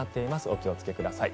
お気をつけください。